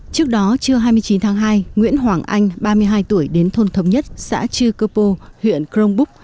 trước đó trưa hai mươi chín tháng hai nguyễn hoàng anh ba mươi hai tuổi đến thôn thống nhất xã chư cơ pô huyện crong búc